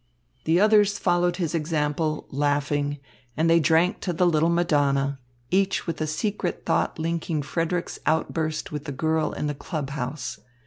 The others followed his example, laughing; and they drank to the little Madonna, each with a secret thought linking Frederick's outburst with the girl in the club house.